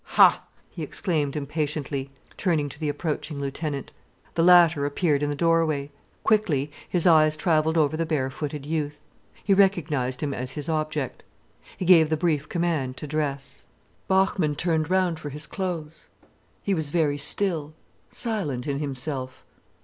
"Ha!" he exclaimed impatiently, turning to the approaching lieutenant. The latter appeared in the doorway. Quickly his eyes travelled over the bare footed youth. He recognized him as his object. He gave the brief command to dress. Bachmann turned round for his clothes. He was very still, silent in himself.